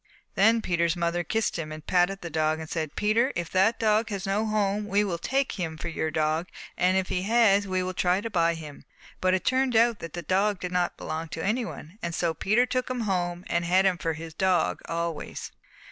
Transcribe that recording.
"Then Peter's mother kissed him, and patted the dog, and she said, 'Peter, if that dog has no home we will take him for your dog, and if he has, we will try to buy him.' But it turned out that the dog did not belong to anyone, and so Peter took him home, and had him for his dog always."